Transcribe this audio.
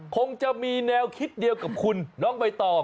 คงจะมีแนวคิดเดียวกับคุณน้องใบตอง